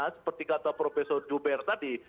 seperti kata profesor juber tadi